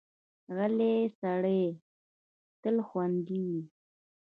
غلی سړی تل خوندي وي.